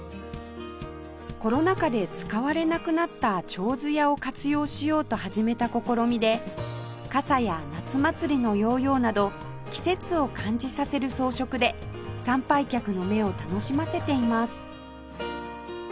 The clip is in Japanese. コロナ禍で使われなくなった手水舎を活用しようと始めた試みで傘や夏祭りのヨーヨーなど季節を感じさせる装飾で参拝客の目を楽しませています